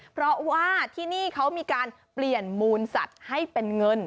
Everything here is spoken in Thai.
เพราะว่าที่นี่เขามีการเปลี่ยนมูลสัตว์ให้เป็นเงิน